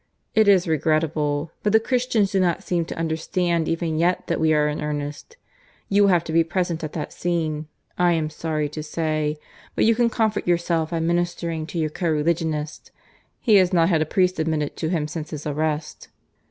It is regrettable, but the Christians do not seem to understand even yet that we are in earnest. You will have to be present at that scene, I am sorry to say; but you can comfort yourself by ministering to your co religionist. He has not had a priest admitted to him since his arrest.